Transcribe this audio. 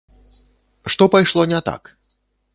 Што пайшло не так?